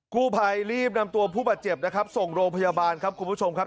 กู้ภัยรีบนำตัวผู้บาดเจ็บนะครับส่งโรงพยาบาลครับคุณผู้ชมครับ